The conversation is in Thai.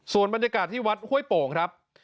ส่วนบรรยากาศที่วัดห้วยโป่งครับ